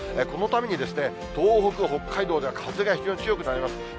このために、東北、北海道では風が非常に強くなります。